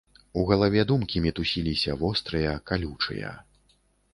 У галаве думкі мітусіліся, вострыя, калючыя.